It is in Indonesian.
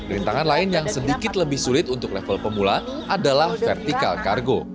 rintangan lain yang sedikit lebih sulit untuk level pemula adalah vertikal kargo